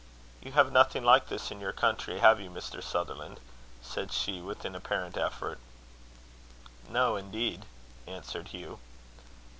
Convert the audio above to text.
"You have nothing like this in your country, have you, Mr. Sutherland?" said she, with an apparent effort. "No, indeed," answered Hugh.